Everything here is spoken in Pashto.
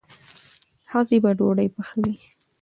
ښځې به ډوډۍ پخوي.